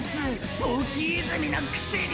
ポキ泉のくせに！！